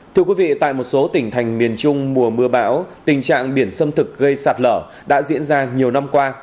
thưa quý vị tại một số tỉnh thành miền trung mùa mưa bão tình trạng biển xâm thực gây sạt lở đã diễn ra nhiều năm qua